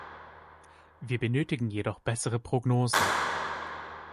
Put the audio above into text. Wir benötigen jedoch bessere Prognosen.